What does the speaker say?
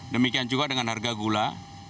demikian juga dengan harga gula